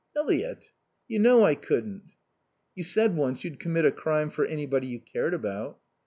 "Eliot, you know I couldn't." "You said once you'd commit a crime for anybody you cared about."